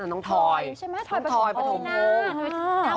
น้องทอยประถมงง